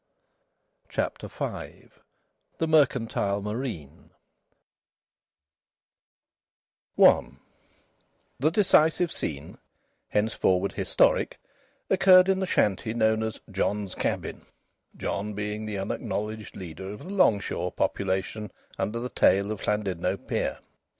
CHAPTER V THE MERCANTILE MARINE I The decisive scene, henceforward historic, occurred in the shanty known as "John's cabin" John being the unacknowledged leader of the long shore population under the tail of Llandudno pier.